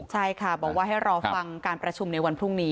ใช่ค่ะบอกว่าให้รอฟังการประชุมในวันพรุ่งนี้